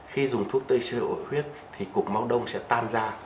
khi dùng thuốc tiêu sợi huyết thì cục máu đông sẽ tan ra